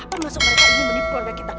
apa maksud mereka ini menipu orang kita